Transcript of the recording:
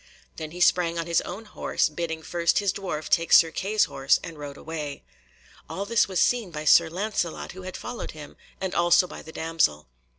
Then he sprang on his own horse, bidding first his dwarf take Sir Kay's horse, and rode away. All this was seen by Sir Lancelot, who had followed him, and also by the damsel.